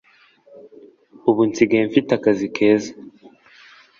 ubu nsigaye mfite akazi keza